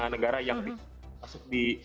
negara yang masuk di